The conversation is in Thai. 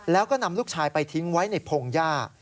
แล้วก็นำลูกชายไปทิ้งไว้ในพงหญ้า